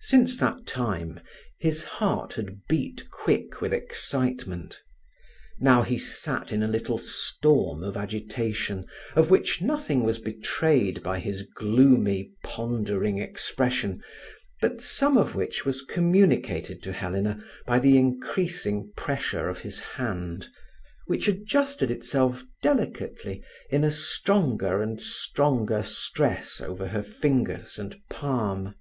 Since that time his heart had beat quick with excitement. Now he sat in a little storm of agitation, of which nothing was betrayed by his gloomy, pondering expression, but some of which was communicated to Helena by the increasing pressure of his hand, which adjusted itself delicately in a stronger and stronger stress over her fingers and palm.